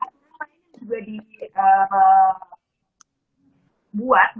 ini juga dibuat